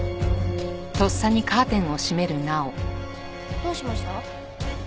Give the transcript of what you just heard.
どうしました？